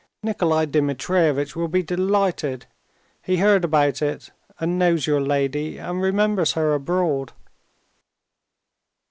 "Nikolay Dmitrievitch will be delighted. He heard about it, and knows your lady, and remembers her abroad."